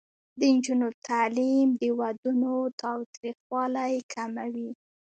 د نجونو تعلیم د ودونو تاوتریخوالی کموي.